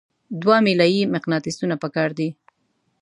دوه میله یي مقناطیسونه پکار دي.